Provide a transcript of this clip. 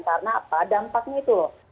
karena apa dampaknya itu loh